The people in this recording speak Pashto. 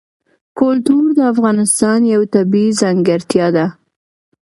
کلتور د افغانستان یوه طبیعي ځانګړتیا ده.